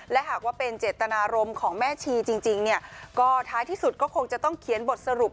และหากว่าเป็นเจตนารมณ์ของแม่ชีจริงเนี่ยก็ท้ายที่สุดก็คงจะต้องเขียนบทสรุป